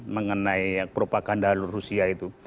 mengenai propaganda rusia itu